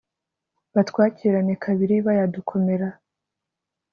batwakirane kabiri bayadukomera